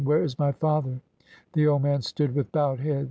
Where is my father ?" The old man stood with bowed head.